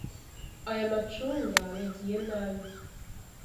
Aya macunga yagiye nabi.